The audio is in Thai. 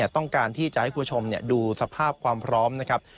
ต้องการที่จะให้คุณผู้ชมดูสภาพความพร้อมนะครับ